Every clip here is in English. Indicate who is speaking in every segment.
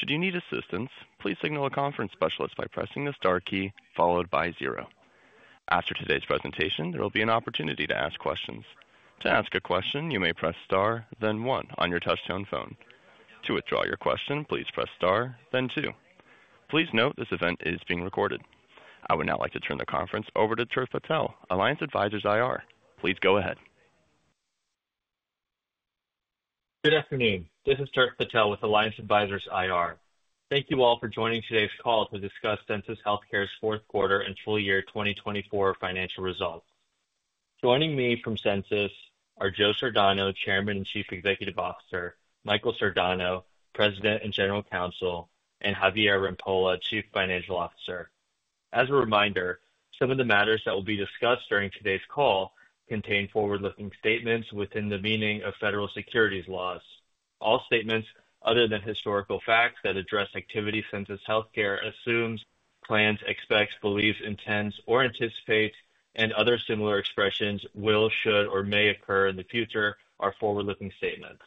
Speaker 1: Should you need assistance, please signal a conference specialist by pressing the star key followed by zero. After today's presentation, there will be an opportunity to ask questions. To ask a question, you may press star, then one, on your touch-tone phone. To withdraw your question, please press star, then two. Please note this event is being recorded. I would now like to turn the conference over to Tirth Patel, Alliance Advisors IR. Please go ahead.
Speaker 2: Good afternoon. This is Tirth Patel with Alliance Advisors IR. Thank you all for joining today's call to discuss Sensus Healthcare's fourth quarter and full year 2024 financial results. Joining me from Sensus are Joe Sardano, Chairman and Chief Executive Officer; Michael Sardano, President and General Counsel; and Javier Rampolla, Chief Financial Officer. As a reminder, some of the matters that will be discussed during today's call contain forward-looking statements within the meaning of federal securities laws. All statements other than historical facts that address activity Sensus Healthcare assumes, plans, expects, believes, intends, or anticipates, and other similar expressions will, should, or may occur in the future are forward-looking statements.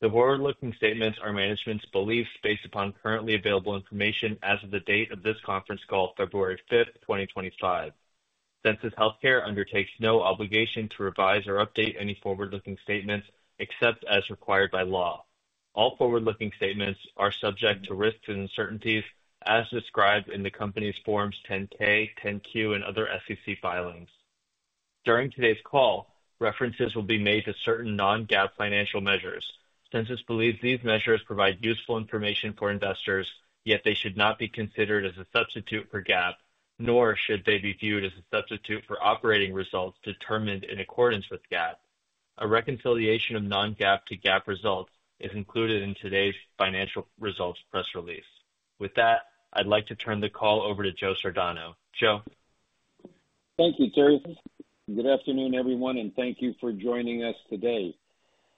Speaker 2: The forward-looking statements are management's beliefs based upon currently available information as of the date of this conference call, February 5, 2025. Sensus Healthcare undertakes no obligation to revise or update any forward-looking statements except as required by law. All forward-looking statements are subject to risks and uncertainties as described in the company's Forms 10-K, 10-Q, and other SEC filings. During today's call, references will be made to certain non-GAAP financial measures. Sensus believes these measures provide useful information for investors, yet they should not be considered as a substitute for GAAP, nor should they be viewed as a substitute for operating results determined in accordance with GAAP. A reconciliation of non-GAAP to GAAP results is included in today's financial results press release. With that, I'd like to turn the call over to Joe Sardano. Joe.
Speaker 3: Thank you, Tirth. Good afternoon, everyone, and thank you for joining us today.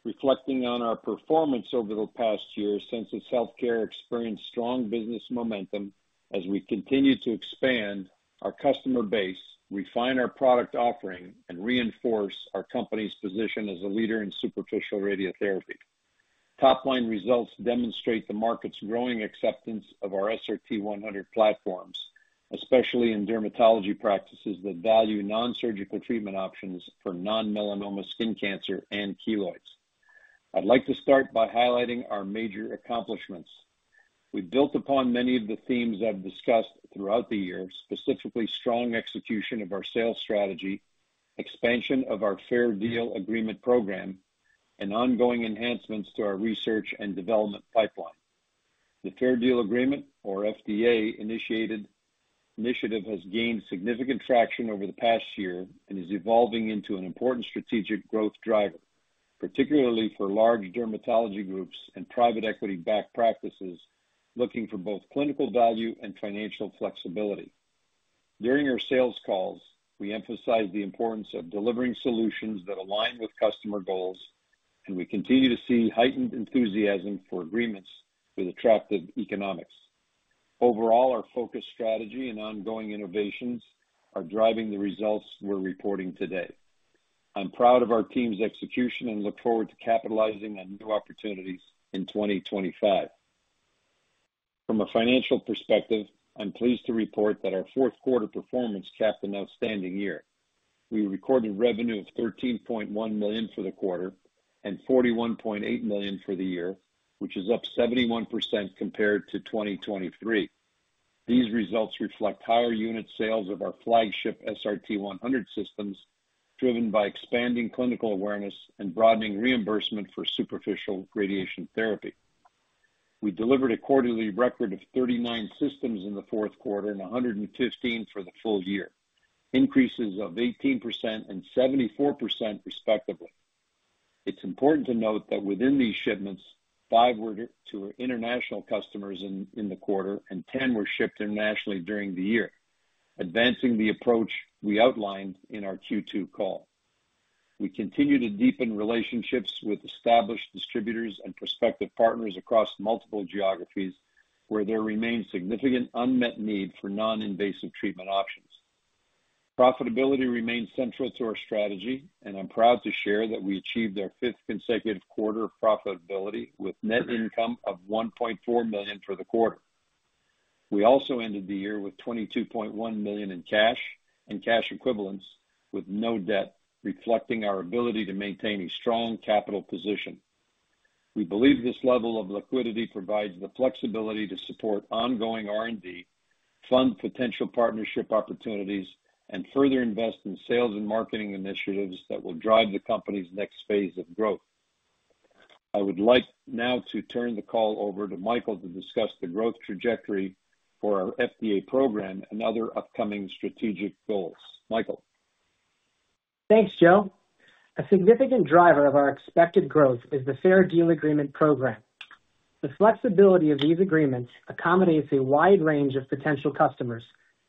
Speaker 3: Reflecting on our performance over the past year, Sensus Healthcare experienced strong business momentum as we continue to expand our customer base, refine our product offering, and reinforce our company's position as a leader in superficial radiotherapy. Top-line results demonstrate the market's growing acceptance of our SRT-100 platforms, especially in dermatology practices that value non-surgical treatment options for non-melanoma skin cancer and keloids. I'd like to start by highlighting our major accomplishments. We've built upon many of the themes I've discussed throughout the year, specifically strong execution of our sales strategy, expansion of our Fair Deal Agreement program, and ongoing enhancements to our research and development pipeline. The Fair Deal Agreement, or FDA, initiative has gained significant traction over the past year and is evolving into an important strategic growth driver, particularly for large dermatology groups and private equity-backed practices looking for both clinical value and financial flexibility. During our sales calls, we emphasized the importance of delivering solutions that align with customer goals, and we continue to see heightened enthusiasm for agreements with attractive economics. Overall, our focused strategy and ongoing innovations are driving the results we're reporting today. I'm proud of our team's execution and look forward to capitalizing on new opportunities in 2025. From a financial perspective, I'm pleased to report that our fourth quarter performance capped an outstanding year. We recorded revenue of $13.1 million for the quarter and $41.8 million for the year, which is up 71% compared to 2023. These results reflect higher unit sales of our flagship SRT-100 systems, driven by expanding clinical awareness and broadening reimbursement for superficial radiation therapy. We delivered a quarterly record of 39 systems in the fourth quarter and 115 for the full year, increases of 18% and 74%, respectively. It's important to note that within these shipments, five were to international customers in the quarter and ten were shipped internationally during the year, advancing the approach we outlined in our Q2 call. We continue to deepen relationships with established distributors and prospective partners across multiple geographies where there remains significant unmet need for non-invasive treatment options. Profitability remains central to our strategy, and I'm proud to share that we achieved our fifth consecutive quarter of profitability with net income of $1.4 million for the quarter. We also ended the year with $22.1 million in cash and cash equivalents with no debt, reflecting our ability to maintain a strong capital position. We believe this level of liquidity provides the flexibility to support ongoing R&D, fund potential partnership opportunities, and further invest in sales and marketing initiatives that will drive the company's next phase of growth. I would like now to turn the call over to Michael to discuss the growth trajectory for our FDA program and other upcoming strategic goals. Michael.
Speaker 4: Thanks, Joe. A significant driver of our expected growth is the Fair Deal Agreement program. The flexibility of these agreements accommodates a wide range of potential customers,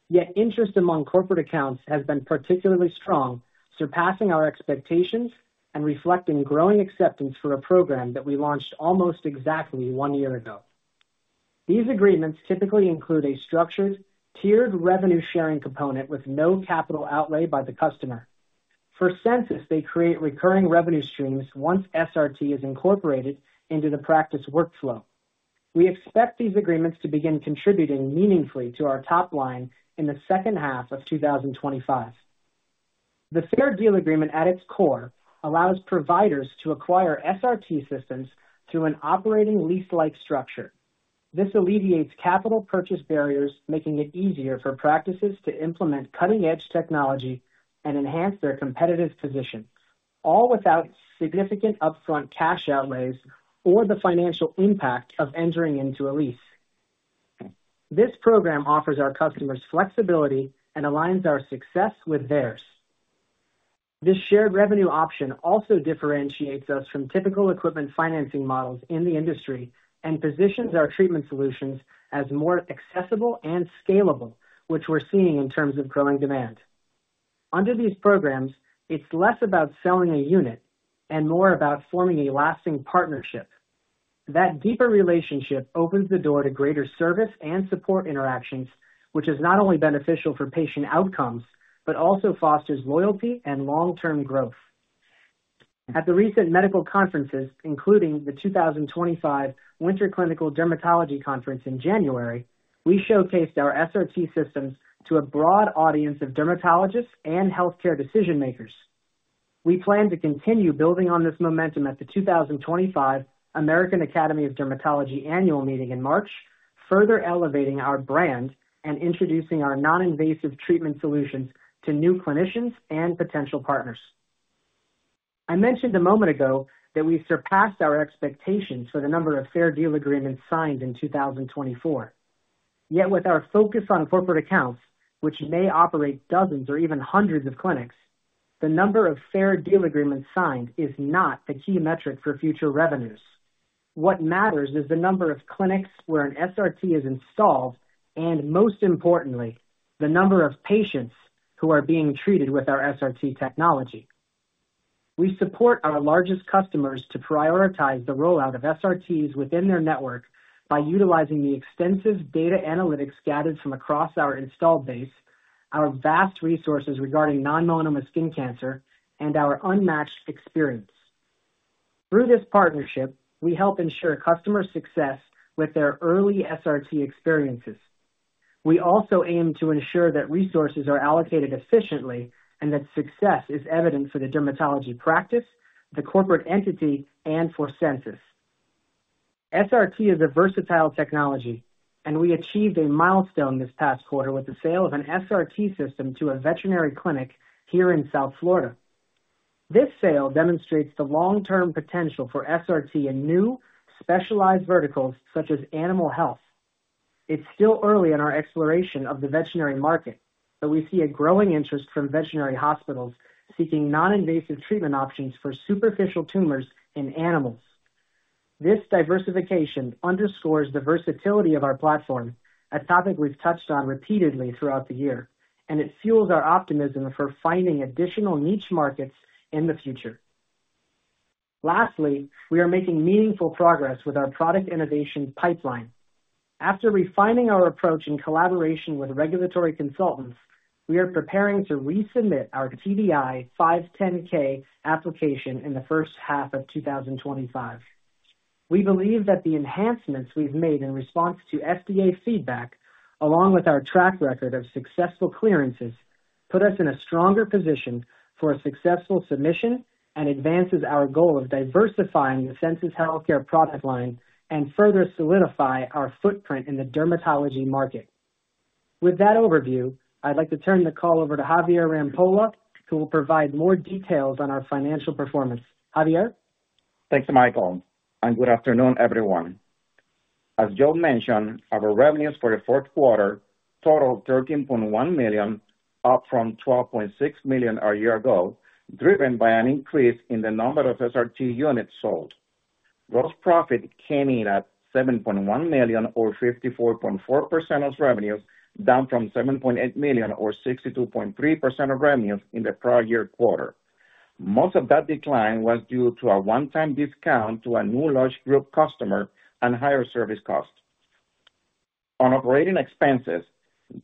Speaker 4: yet interest among corporate accounts has been particularly strong, surpassing our expectations and reflecting growing acceptance for a program that we launched almost exactly one year ago. These agreements typically include a structured, tiered revenue-sharing component with no capital outlay by the customer. For Sensus, they create recurring revenue streams once SRT is incorporated into the practice workflow. We expect these agreements to begin contributing meaningfully to our top line in the second half of 2025. The Fair Deal Agreement, at its core, allows providers to acquire SRT systems through an operating lease-like structure. This alleviates capital purchase barriers, making it easier for practices to implement cutting-edge technology and enhance their competitive position, all without significant upfront cash outlays or the financial impact of entering into a lease. This program offers our customers flexibility and aligns our success with theirs. This shared revenue option also differentiates us from typical equipment financing models in the industry and positions our treatment solutions as more accessible and scalable, which we're seeing in terms of growing demand. Under these programs, it's less about selling a unit and more about forming a lasting partnership. That deeper relationship opens the door to greater service and support interactions, which is not only beneficial for patient outcomes but also fosters loyalty and long-term growth. At the recent medical conferences, including the 2025 Winter Clinical Dermatology Conference in January, we showcased our SRT systems to a broad audience of dermatologists and healthcare decision-makers. We plan to continue building on this momentum at the 2025 American Academy of Dermatology annual meeting in March, further elevating our brand and introducing our non-invasive treatment solutions to new clinicians and potential partners. I mentioned a moment ago that we surpassed our expectations for the number of Fair Deal Agreements signed in 2024. Yet, with our focus on corporate accounts, which may operate dozens or even hundreds of clinics, the number of Fair Deal Agreements signed is not a key metric for future revenues. What matters is the number of clinics where an SRT is installed and, most importantly, the number of patients who are being treated with our SRT technology. We support our largest customers to prioritize the rollout of SRTs within their network by utilizing the extensive data analytics gathered from across our installed base, our vast resources regarding non-melanoma skin cancer, and our unmatched experience. Through this partnership, we help ensure customer success with their early SRT experiences. We also aim to ensure that resources are allocated efficiently and that success is evident for the dermatology practice, the corporate entity, and for Sensus. SRT is a versatile technology, and we achieved a milestone this past quarter with the sale of an SRT system to a veterinary clinic here in South Florida. This sale demonstrates the long-term potential for SRT in new, specialized verticals such as animal health. It's still early in our exploration of the veterinary market, but we see a growing interest from veterinary hospitals seeking non-invasive treatment options for superficial tumors in animals. This diversification underscores the versatility of our platform, a topic we've touched on repeatedly throughout the year, and it fuels our optimism for finding additional niche markets in the future. Lastly, we are making meaningful progress with our product innovation pipeline. After refining our approach in collaboration with regulatory consultants, we are preparing to resubmit our TDI 510(k) application in the first half of 2025. We believe that the enhancements we've made in response to FDA feedback, along with our track record of successful clearances, put us in a stronger position for a successful submission and advances our goal of diversifying the Sensus Healthcare product line and further solidify our footprint in the dermatology market. With that overview, I'd like to turn the call over to Javier Rampolla, who will provide more details on our financial performance. Javier.
Speaker 5: Thanks, Michael, and good afternoon, everyone. As Joe mentioned, our revenues for the fourth quarter totaled $13.1 million, up from $12.6 million a year ago, driven by an increase in the number of SRT units sold. Gross profit came in at $7.1 million, or 54.4% of revenues, down from $7.8 million, or 62.3% of revenues in the prior year quarter. Most of that decline was due to a one-time discount to a new large group customer and higher service costs. On operating expenses,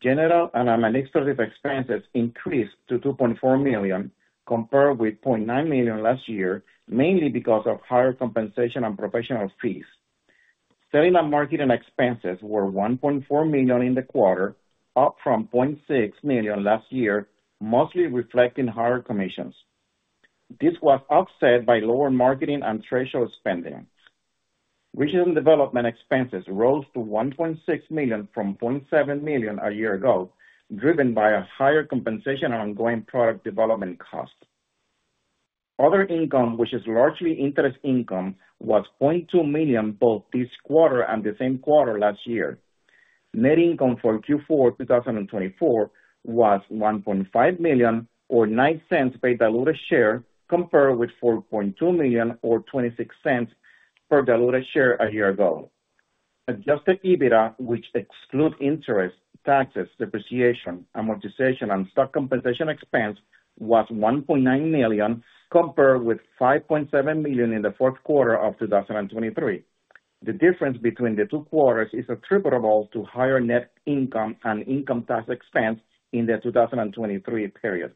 Speaker 5: general and administrative expenses increased to $2.4 million, compared with $0.9 million last year, mainly because of higher compensation and professional fees. Selling and marketing expenses were $1.4 million in the quarter, up from $0.6 million last year, mostly reflecting higher commissions. This was offset by lower marketing and threshold spending. Regional development expenses rose to $1.6 million from $0.7 million a year ago, driven by a higher compensation and ongoing product development costs. Other income, which is largely interest income, was $0.2 million both this quarter and the same quarter last year. Net income for Q4 2024 was $1.5 million, or $0.09 per diluted share, compared with $4.2 million, or $0.26 per diluted share a year ago. Adjusted EBITDA, which excludes interest, taxes, depreciation, amortization, and stock compensation expense, was $1.9 million, compared with $5.7 million in the fourth quarter of 2023. The difference between the two quarters is attributable to higher net income and income tax expense in the 2023 period.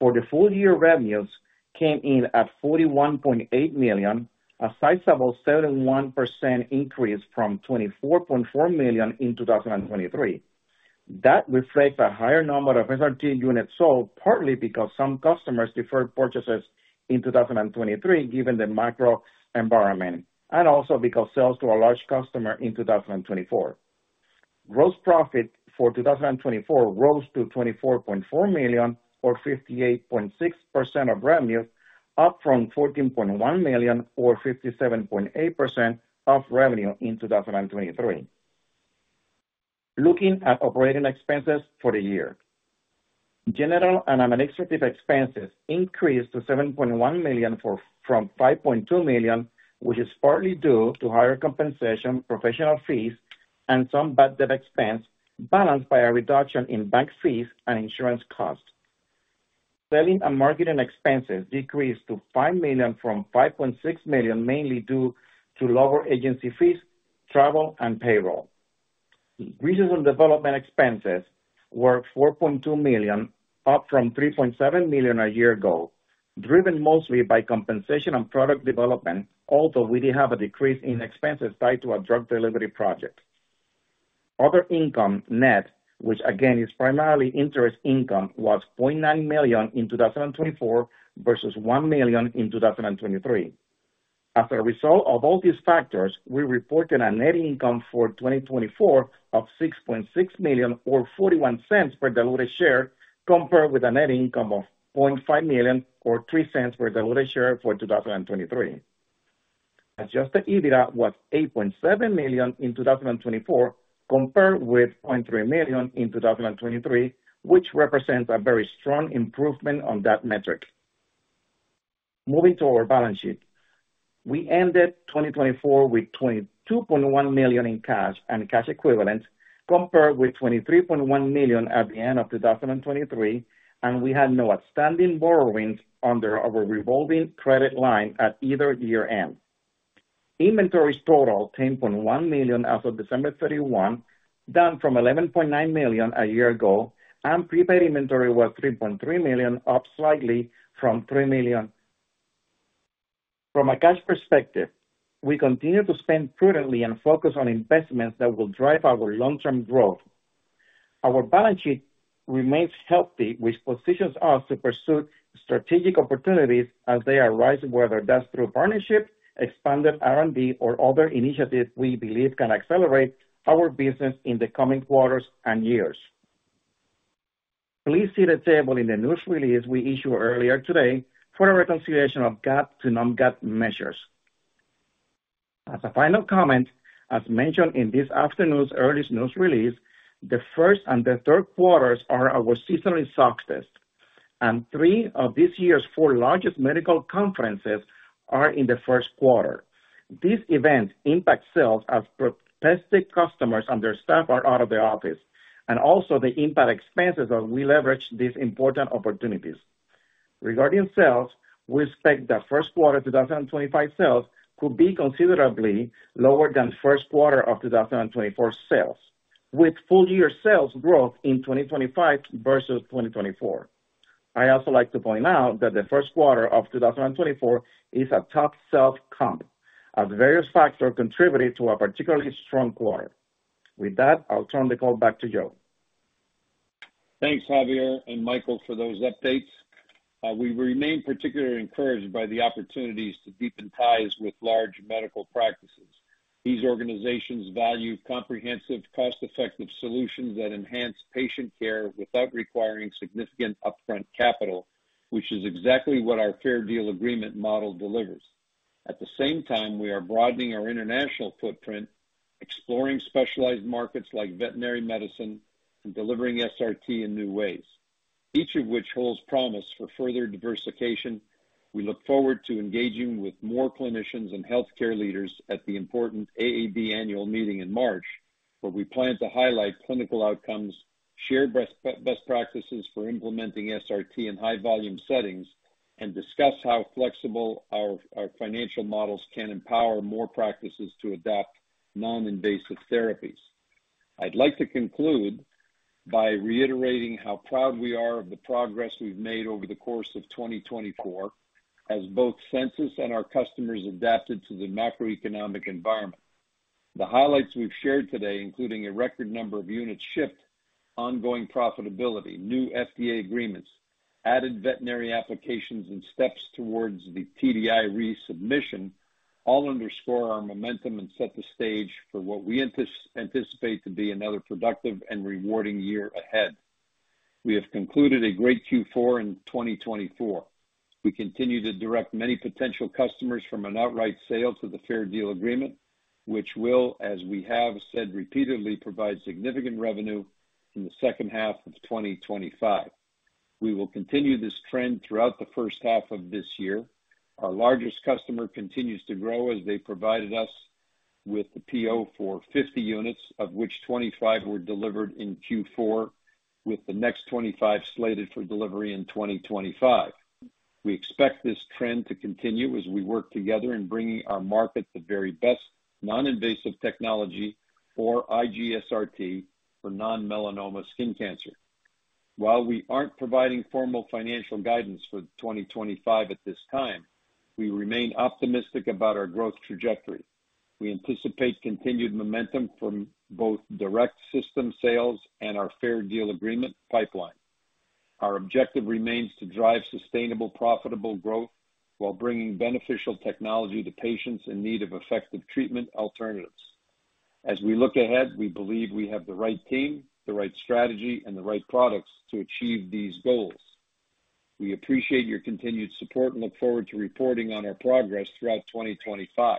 Speaker 5: For the full-year revenues, came in at $41.8 million, a sizable 71% increase from $24.4 million in 2023. That reflects a higher number of SRT units sold, partly because some customers deferred purchases in 2023 given the macro environment, and also because sales to our large customers in 2024. Gross profit for 2024 rose to $24.4 million, or 58.6% of revenues, up from $14.1 million, or 57.8% of revenue in 2023. Looking at operating expenses for the year, general and administrative expenses increased to $7.1 million from $5.2 million, which is partly due to higher compensation, professional fees, and some bad debt expense, balanced by a reduction in bank fees and insurance costs. Selling and marketing expenses decreased to $5 million from $5.6 million, mainly due to lower agency fees, travel, and payroll. Regional development expenses were $4.2 million, up from $3.7 million a year ago, driven mostly by compensation and product development, although we did have a decrease in expenses tied to a drug delivery project. Other income net, which again is primarily interest income, was $0.9 million in 2024 versus $1 million in 2023. As a result of all these factors, we reported a net income for 2024 of $6.6 million, or $0.41 per diluted share, compared with a net income of $0.5 million, or $0.03 per diluted share for 2023. Adjusted EBITDA was $8.7 million in 2024, compared with $0.3 million in 2023, which represents a very strong improvement on that metric. Moving to our balance sheet, we ended 2024 with $22.1 million in cash and cash equivalents, compared with $23.1 million at the end of 2023, and we had no outstanding borrowings under our revolving credit line at either year end. Inventory totaled $10.1 million as of December 31, down from $11.9 million a year ago, and prepaid inventory was $3.3 million, up slightly from $3 million. From a cash perspective, we continue to spend prudently and focus on investments that will drive our long-term growth. Our balance sheet remains healthy, which positions us to pursue strategic opportunities as they arise, whether that's through partnerships, expanded R&D, or other initiatives we believe can accelerate our business in the coming quarters and years. Please see the table in the news release we issued earlier today for a reconciliation of GAAP to non-GAAP measures. As a final comment, as mentioned in this afternoon's earliest news release, the first and the third quarters are our seasonal success, and three of this year's four largest medical conferences are in the first quarter. These events impact sales as prospective customers and their staff are out of the office, and also they impact expenses as we leverage these important opportunities. Regarding sales, we expect the first quarter 2025 sales could be considerably lower than first quarter of 2024 sales, with full-year sales growth in 2025 versus 2024. I also like to point out that the first quarter of 2024 is a tough sales comp, as various factors contributed to a particularly strong quarter. With that, I'll turn the call back to Joe.
Speaker 3: Thanks, Javier and Michael, for those updates. We remain particularly encouraged by the opportunities to deepen ties with large medical practices. These organizations value comprehensive, cost-effective solutions that enhance patient care without requiring significant upfront capital, which is exactly what our Fair Deal Agreement model delivers. At the same time, we are broadening our international footprint, exploring specialized markets like veterinary medicine, and delivering SRT in new ways, each of which holds promise for further diversification. We look forward to engaging with more clinicians and healthcare leaders at the important AAD annual meeting in March, where we plan to highlight clinical outcomes, share best practices for implementing SRT in high-volume settings, and discuss how flexible our financial models can empower more practices to adopt non-invasive therapies. I'd like to conclude by reiterating how proud we are of the progress we've made over the course of 2024, as both Sensus and our customers adapted to the macroeconomic environment. The highlights we've shared today, including a record number of units shipped, ongoing profitability, new FDA agreements, added veterinary applications, and steps towards the TDI resubmission, all underscore our momentum and set the stage for what we anticipate to be another productive and rewarding year ahead. We have concluded a great Q4 in 2024. We continue to direct many potential customers from an outright sale to the Fair Deal Agreement, which will, as we have said repeatedly, provide significant revenue in the second half of 2025. We will continue this trend throughout the first half of this year. Our largest customer continues to grow, as they provided us with the PO for 50 units, of which 25 were delivered in Q4, with the next 25 slated for delivery in 2025. We expect this trend to continue as we work together in bringing our market the very best non-invasive technology, or IGSRT, for non-melanoma skin cancer. While we aren't providing formal financial guidance for 2025 at this time, we remain optimistic about our growth trajectory. We anticipate continued momentum from both direct system sales and our Fair Deal Agreement pipeline. Our objective remains to drive sustainable, profitable growth while bringing beneficial technology to patients in need of effective treatment alternatives. As we look ahead, we believe we have the right team, the right strategy, and the right products to achieve these goals. We appreciate your continued support and look forward to reporting on our progress throughout 2025.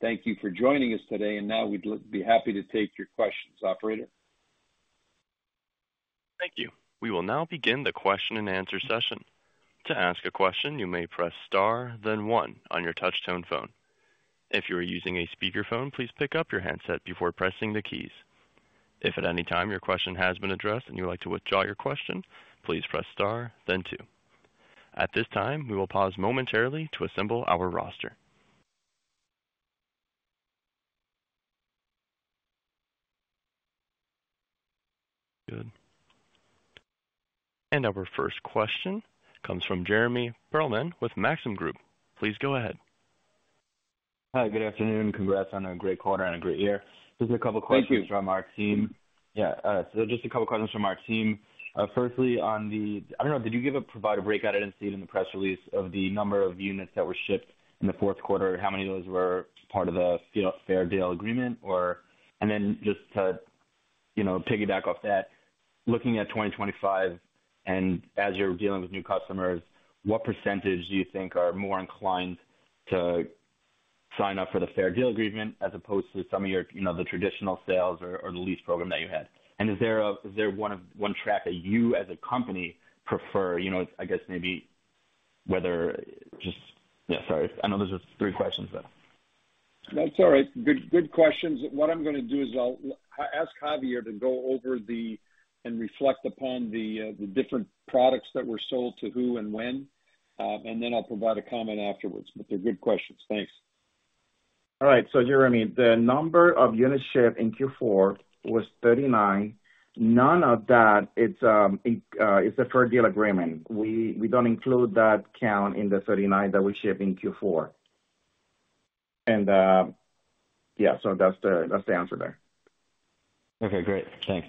Speaker 3: Thank you for joining us today, and now we'd be happy to take your questions, Operator.
Speaker 1: Thank you. We will now begin the question-and-answer session. To ask a question, you may press star, then one on your touch-tone phone. If you are using a speakerphone, please pick up your handset before pressing the keys. If at any time your question has been addressed and you'd like to withdraw your question, please press star, then two. At this time, we will pause momentarily to assemble our roster. Good. Our first question comes from Jeremy Perlman with Maxim Group. Please go ahead.
Speaker 6: Hi, good afternoon. Congrats on a great quarter and a great year. Just a couple of questions from our team.
Speaker 3: Thank you.
Speaker 6: Yeah. Just a couple of questions from our team. Firstly, on the—I don't know. Did you give a provider breakout and see it in the press release of the number of units that were shipped in the fourth quarter? How many of those were part of the Fair Deal Agreement? To piggyback off that, looking at 2025 and as you're dealing with new customers, what percentage do you think are more inclined to sign up for the Fair Deal Agreement as opposed to some of the traditional sales or the lease program that you had? Is there one track that you, as a company, prefer? I guess maybe whether just—yeah, sorry. I know those are three questions, but.
Speaker 3: That's all right. Good questions. What I'm going to do is I'll ask Javier to go over and reflect upon the different products that were sold to who and when, and then I'll provide a comment afterwards. They're good questions. Thanks.
Speaker 5: All right. Jeremy, the number of units shipped in Q4 was 39. None of that is a Fair Deal Agreement. We do not include that count in the 39 that we shipped in Q4. Yeah, that is the answer there.
Speaker 6: Okay. Great. Thanks.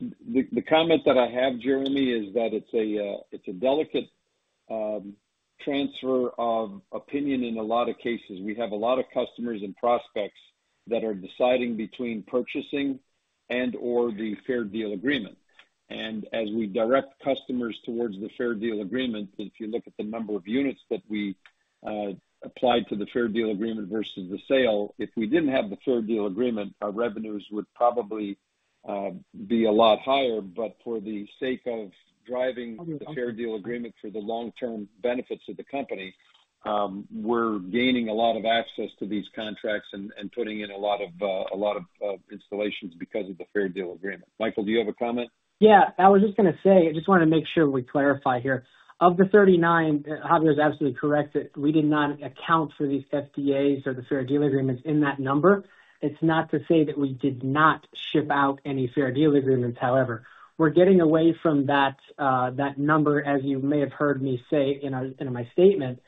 Speaker 3: The comment that I have, Jeremy, is that it's a delicate transfer of opinion in a lot of cases. We have a lot of customers and prospects that are deciding between purchasing and/or the Fair Deal Agreement. As we direct customers towards the Fair Deal Agreement, if you look at the number of units that we applied to the Fair Deal Agreement versus the sale, if we didn't have the Fair Deal Agreement, our revenues would probably be a lot higher. For the sake of driving the Fair Deal Agreement for the long-term benefits of the company, we're gaining a lot of access to these contracts and putting in a lot of installations because of the Fair Deal Agreement. Michael, do you have a comment?
Speaker 4: Yeah. I was just going to say, I just wanted to make sure we clarify here. Of the 39, Javier is absolutely correct that we did not account for these FDAs or the Fair Deal Agreements in that number. It's not to say that we did not ship out any Fair Deal Agreements, however. We're getting away from that number, as you may have heard me say in my statement.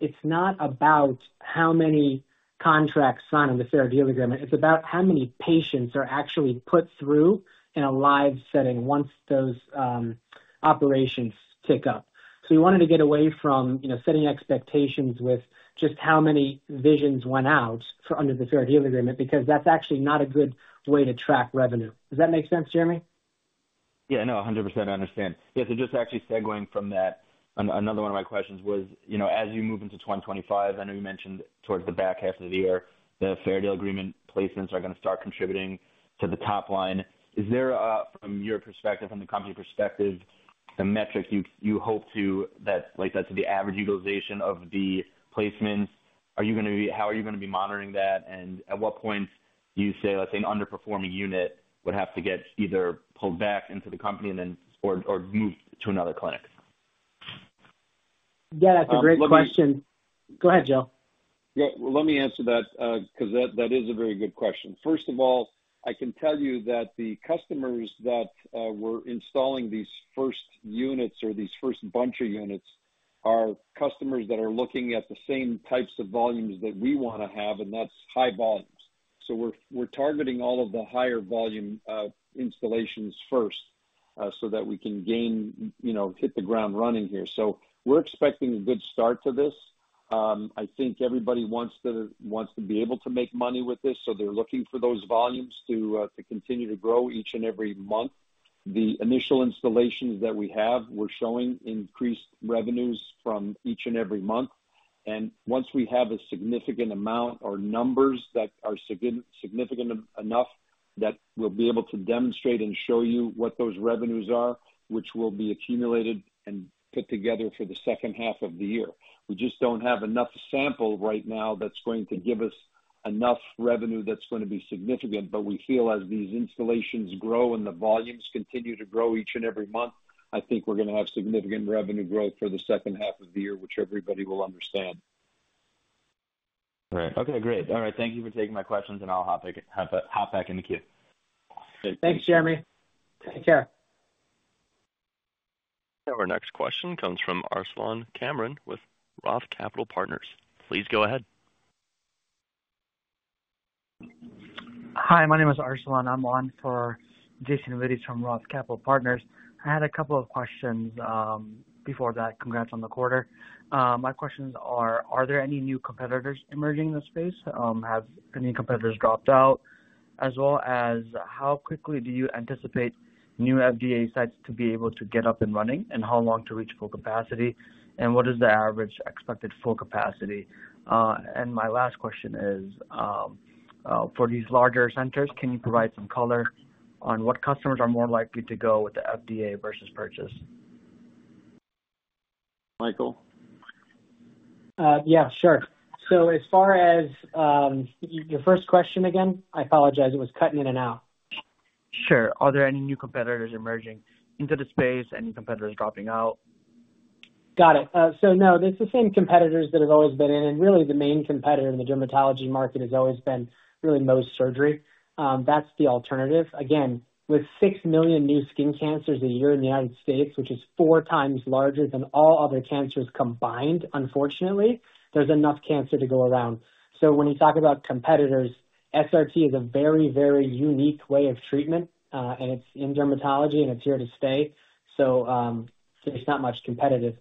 Speaker 4: It's not about how many contracts signed on the Fair Deal Agreement. It's about how many patients are actually put through in a live setting once those operations tick up. We wanted to get away from setting expectations with just how many Visions went out under the Fair Deal Agreement because that's actually not a good way to track revenue. Does that make sense, Jeremy?
Speaker 6: Yeah. No, 100%. I understand. Yeah. Just actually seguing from that, another one of my questions was, as you move into 2025, I know you mentioned towards the back half of the year, the Fair Deal Agreement placements are going to start contributing to the top line. Is there, from your perspective, from the company perspective, the metric you hope to—that's the average utilization of the placements? Are you going to be—how are you going to be monitoring that? At what point do you say, let's say, an underperforming unit would have to get either pulled back into the company or moved to another clinic?
Speaker 4: Yeah. That's a great question. Go ahead, Joe.
Speaker 3: Yeah. Let me answer that because that is a very good question. First of all, I can tell you that the customers that were installing these first units or these first bunch of units are customers that are looking at the same types of volumes that we want to have, and that's high volumes. We are targeting all of the higher volume installations first so that we can hit the ground running here. We are expecting a good start to this. I think everybody wants to be able to make money with this, so they're looking for those volumes to continue to grow each and every month. The initial installations that we have were showing increased revenues from each and every month. Once we have a significant amount or numbers that are significant enough that we'll be able to demonstrate and show you what those revenues are, which will be accumulated and put together for the second half of the year. We just don't have enough sample right now that's going to give us enough revenue that's going to be significant. We feel as these installations grow and the volumes continue to grow each and every month, I think we're going to have significant revenue growth for the second half of the year, which everybody will understand.
Speaker 6: All right. Okay. Great. All right. Thank you for taking my questions, and I'll hop back in the queue.
Speaker 4: Thanks, Jeremy. Take care.
Speaker 1: Our next question comes from Arsalan Kamran with Roth Capital Partners. Please go ahead.
Speaker 7: Hi. My name is Arsalan. I'm on for Jason Wittes from Roth Capital Partners. I had a couple of questions before that. Congrats on the quarter. My questions are, are there any new competitors emerging in this space? Have any competitors dropped out? How quickly do you anticipate new FDA sites to be able to get up and running, and how long to reach full capacity, and what is the average expected full capacity? My last question is, for these larger centers, can you provide some color on what customers are more likely to go with the FDA versus purchase?
Speaker 3: Michael.
Speaker 4: Yeah. Sure. As far as your first question again, I apologize. It was cutting in and out.
Speaker 7: Sure. Are there any new competitors emerging into the space? Any competitors dropping out?
Speaker 4: Got it. No, it's the same competitors that have always been in. Really, the main competitor in the dermatology market has always been really Mohs surgery. That's the alternative. Again, with 6 million new skin cancers a year in the United States, which is four times larger than all other cancers combined, unfortunately, there's enough cancer to go around. When you talk about competitors, SRT is a very, very unique way of treatment, and it's in dermatology, and it's here to stay. There's not much competitive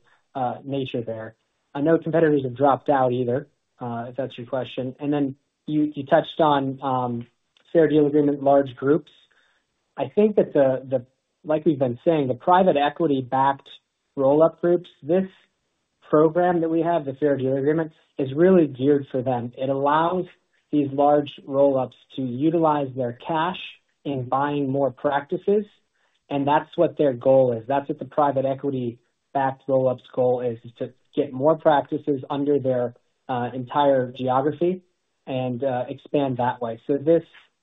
Speaker 4: nature there. I know competitors have not dropped out either, if that's your question. You touched on Fair Deal Agreement large groups. I think that, like we've been saying, the private equity-backed roll-up groups, this program that we have, the Fair Deal Agreement, is really geared for them. It allows these large roll-ups to utilize their cash in buying more practices, and that's what their goal is. That's what the private equity-backed roll-ups' goal is, is to get more practices under their entire geography and expand that way.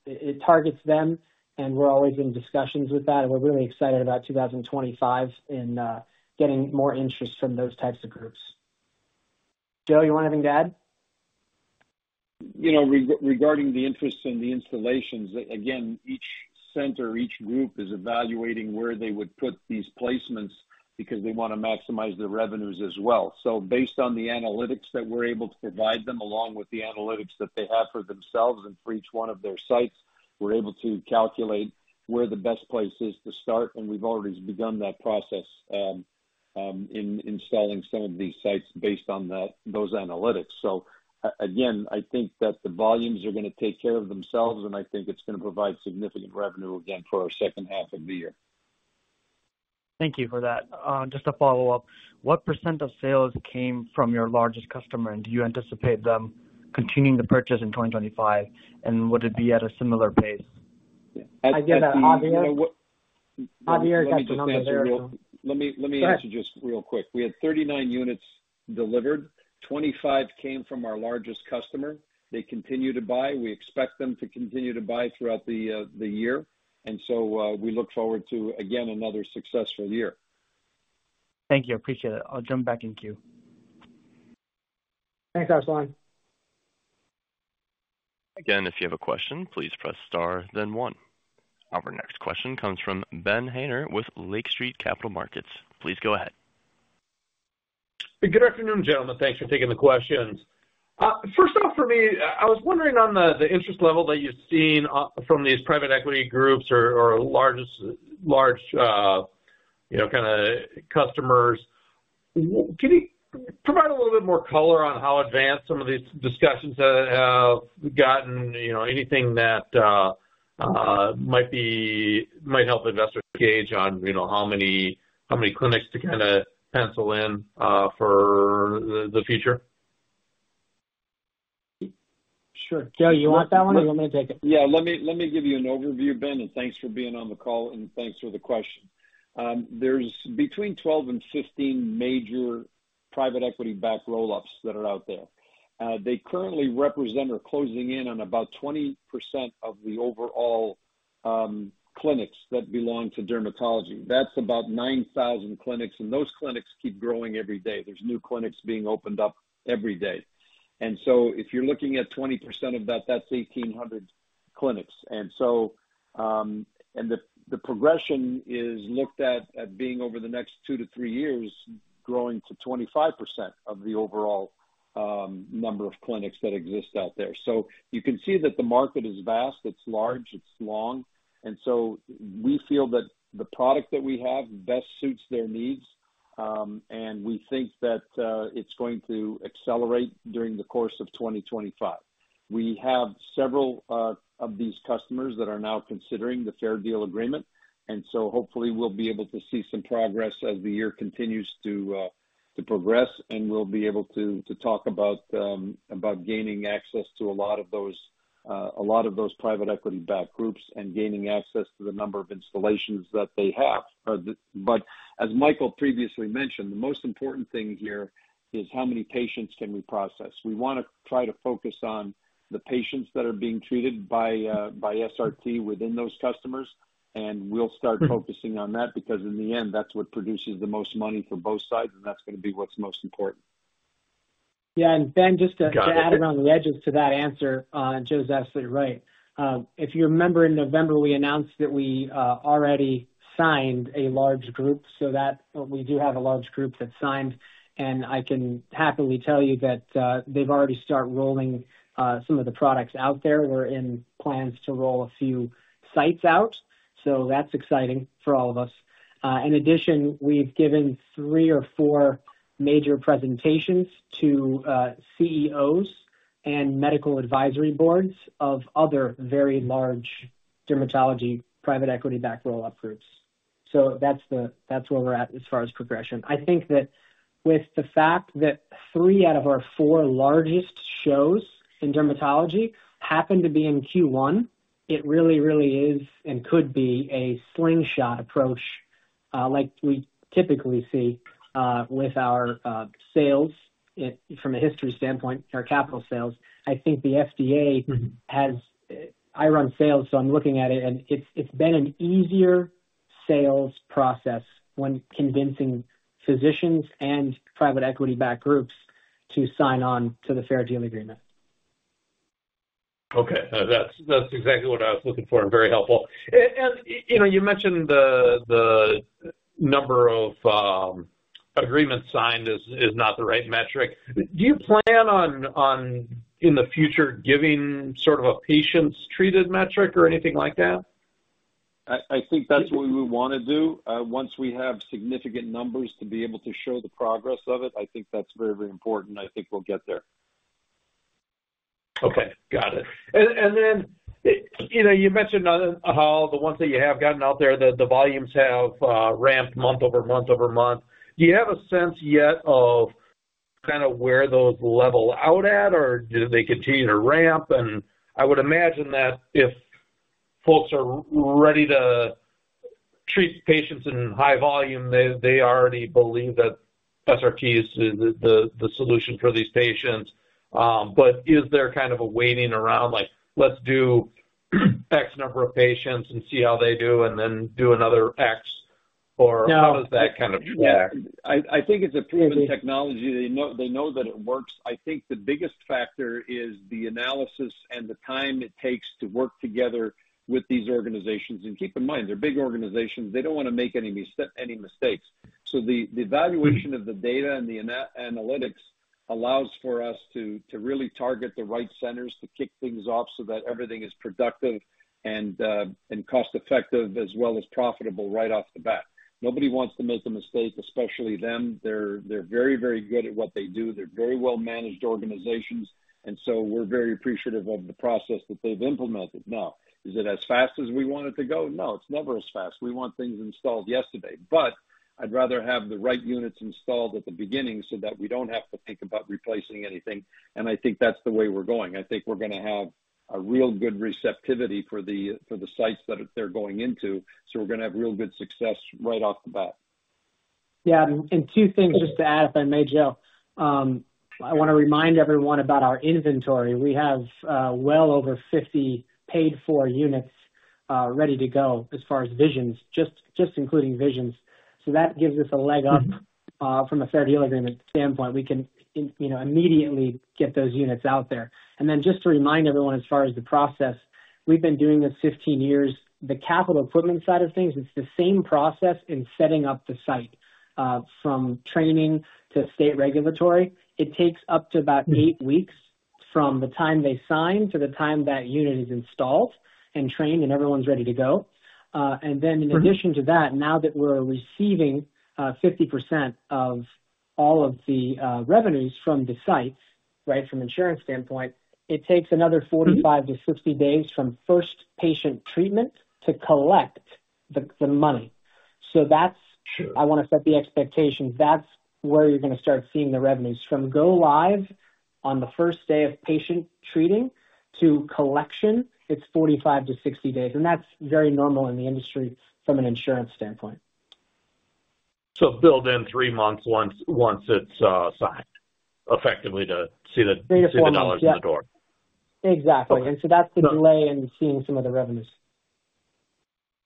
Speaker 4: It targets them, and we're always in discussions with that. We're really excited about 2025 and getting more interest from those types of groups. Joe, you want anything to add?
Speaker 3: Regarding the interest in the installations, again, each center, each group is evaluating where they would put these placements because they want to maximize their revenues as well. Based on the analytics that we're able to provide them, along with the analytics that they have for themselves and for each one of their sites, we're able to calculate where the best place is to start. We've already begun that process in installing some of these sites based on those analytics. I think that the volumes are going to take care of themselves, and I think it's going to provide significant revenue again for our second half of the year.
Speaker 7: Thank you for that. Just a follow-up. What percent of sales came from your largest customer, and do you anticipate them continuing to purchase in 2025, and would it be at a similar pace?
Speaker 4: Again, Javier got the number there, so.
Speaker 3: Let me answer just real quick. We had 39 units delivered, 25 came from our largest customer. They continue to buy. We expect them to continue to buy throughout the year. We look forward to, again, another successful year.
Speaker 7: Thank you. Appreciate it. I'll jump back in queue.
Speaker 4: Thanks, Arsalan.
Speaker 1: Again, if you have a question, please press star, then one. Our next question comes from Ben Haynor with Lake Street Capital Markets. Please go ahead.
Speaker 8: Good afternoon, gentlemen. Thanks for taking the questions. First off, for me, I was wondering on the interest level that you've seen from these private equity groups or large kind of customers, can you provide a little bit more color on how advanced some of these discussions have gotten? Anything that might help investors gauge on how many clinics to kind of pencil in for the future?
Speaker 4: Sure. Joe, you want that one, or you want me to take it?
Speaker 3: Yeah. Let me give you an overview, Ben, and thanks for being on the call, and thanks for the question. There's between 12 and 15 major private equity-backed roll-ups that are out there. They currently represent or are closing in on about 20% of the overall clinics that belong to dermatology. That's about 9,000 clinics, and those clinics keep growing every day. There's new clinics being opened up every day. If you're looking at 20% of that, that's 1,800 clinics. The progression is looked at being over the next two to three years, growing to 25% of the overall number of clinics that exist out there. You can see that the market is vast. It's large. It's long. We feel that the product that we have best suits their needs, and we think that it's going to accelerate during the course of 2025. We have several of these customers that are now considering the Fair Deal Agreement. Hopefully, we'll be able to see some progress as the year continues to progress, and we'll be able to talk about gaining access to a lot of those private equity-backed groups and gaining access to the number of installations that they have. As Michael previously mentioned, the most important thing here is how many patients can we process? We want to try to focus on the patients that are being treated by SRT within those customers, and we'll start focusing on that because in the end, that's what produces the most money for both sides, and that's going to be what's most important.
Speaker 4: Yeah. And Ben, just to add around the edges to that answer, Joseph, you're right. If you remember in November, we announced that we already signed a large group. We do have a large group that's signed, and I can happily tell you that they've already started rolling some of the products out there. We're in plans to roll a few sites out. That's exciting for all of us. In addition, we've given three or four major presentations to CEOs and medical advisory boards of other very large dermatology private equity-backed roll-up groups. That's where we're at as far as progression. I think that with the fact that three out of our four largest shows in dermatology happen to be in Q1, it really, really is and could be a slingshot approach like we typically see with our sales from a history standpoint, our capital sales. I think the FDA has—I run sales, so I'm looking at it—and it's been an easier sales process when convincing physicians and private equity-backed groups to sign on to the Fair Deal Agreement.
Speaker 8: Okay. That's exactly what I was looking for and very helpful. You mentioned the number of agreements signed is not the right metric. Do you plan on, in the future, giving sort of a patients-treated metric or anything like that?
Speaker 3: I think that's what we would want to do. Once we have significant numbers to be able to show the progress of it, I think that's very, very important, and I think we'll get there.
Speaker 8: Okay. Got it. You mentioned how the ones that you have gotten out there, the volumes have ramped month over month over month. Do you have a sense yet of kind of where those level out at, or do they continue to ramp? I would imagine that if folks are ready to treat patients in high volume, they already believe that SRT is the solution for these patients. Is there kind of a waiting around like, "Let's do X number of patients and see how they do, and then do another X"? Or how does that kind of track?
Speaker 3: Yeah. I think it's a proven technology. They know that it works. I think the biggest factor is the analysis and the time it takes to work together with these organizations. Keep in mind, they're big organizations. They don't want to make any mistakes. The evaluation of the data and the analytics allows for us to really target the right centers to kick things off so that everything is productive and cost-effective as well as profitable right off the bat. Nobody wants to make a mistake, especially them. They're very, very good at what they do. They're very well-managed organizations. We're very appreciative of the process that they've implemented. Now, is it as fast as we want it to go? No, it's never as fast. We want things installed yesterday. I would rather have the right units installed at the beginning so that we do not have to think about replacing anything. I think that is the way we are going. I think we are going to have a real good receptivity for the sites that they are going into. We are going to have real good success right off the bat.
Speaker 4: Yeah. Two things just to add, if I may, Joe. I want to remind everyone about our inventory. We have well over 50 paid-for units ready to go as far as Visions, just including Visions. That gives us a leg up from a Fair Deal Agreement standpoint. We can immediately get those units out there. Just to remind everyone as far as the process, we've been doing this 15 years. The capital equipment side of things, it's the same process in setting up the site from training to state regulatory. It takes up to about eight weeks from the time they sign to the time that unit is installed and trained and everyone's ready to go. In addition to that, now that we're receiving 50% of all of the revenues from the site, right, from an insurance standpoint, it takes another 45-60 days from first patient treatment to collect the money. I want to set the expectations. That's where you're going to start seeing the revenues. From go-live on the first day of patient treating to collection, it's 45-60 days. That's very normal in the industry from an insurance standpoint.
Speaker 8: Build in three months once it's signed effectively to see the dollars in the door.
Speaker 4: Exactly. That is the delay in seeing some of the revenues.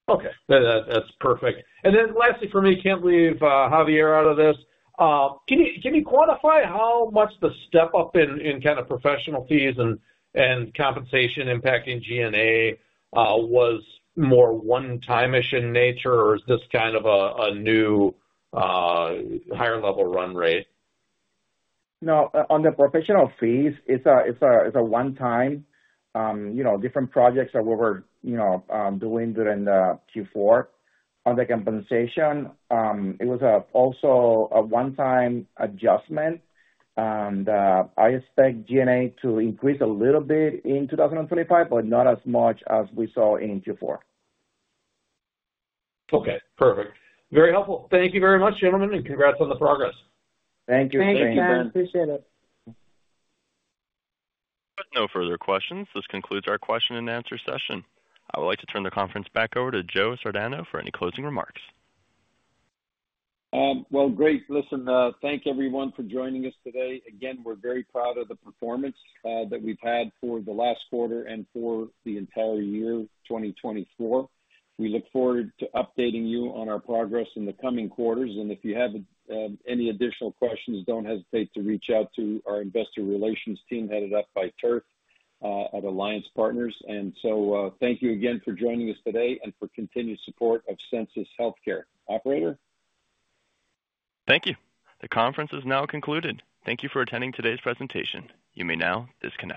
Speaker 8: Okay. That's perfect. Lastly for me, can't leave Javier out of this. Can you quantify how much the step-up in kind of professional fees and compensation impacting GNA was more one-timish in nature, or is this kind of a new higher-level run rate?
Speaker 5: No. On the professional fees, it's a one-time. Different projects are what we're doing during Q4. On the compensation, it was also a one-time adjustment. I expect GNA to increase a little bit in 2025, but not as much as we saw in Q4.
Speaker 8: Okay. Perfect. Very helpful. Thank you very much, gentlemen, and congrats on the progress.
Speaker 4: Thank you.
Speaker 3: Thank you, Ben. Appreciate it.
Speaker 1: No further questions. This concludes our question-and-answer session. I would like to turn the conference back over to Joe Sardano for any closing remarks.
Speaker 3: Great. Listen, thank everyone for joining us today. Again, we're very proud of the performance that we've had for the last quarter and for the entire year 2024. We look forward to updating you on our progress in the coming quarters. If you have any additional questions, don't hesitate to reach out to our investor relations team headed up by Tirth at Alliance partners. Thank you again for joining us today and for continued support of Sensus Healthcare. Operator?
Speaker 1: Thank you. The conference is now concluded. Thank you for attending today's presentation. You may now disconnect.